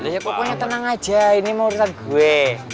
ya kok punya tenang aja ini mau urusan gue